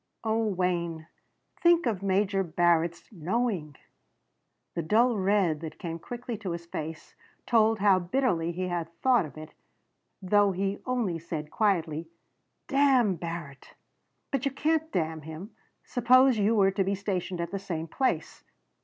"Oh Wayne think of Major Barrett's knowing." The dull red that came quickly to his face told how bitterly he had thought of it, though he only said quietly: "Damn Barrett." "But you can't damn him. Suppose you were to be stationed at the same place!"